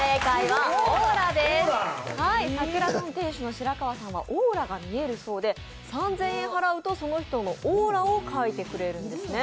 さくら座の店主の白川さんはオーラが見えるそうで３０００円払うとその人のオーラを描いてくれるんですね。